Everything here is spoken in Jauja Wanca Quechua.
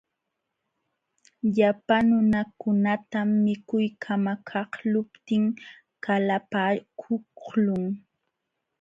Llapa nunakunatam mikuy kamakaqluptin qalapaakuqlun.